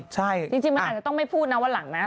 ใช่จริงมันอาจจะต้องไม่พูดนะวันหลังนะ